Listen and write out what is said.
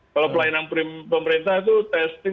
kalau pelayanan pemerintah itu testing